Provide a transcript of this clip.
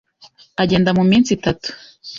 Agenda mu minsi itatu.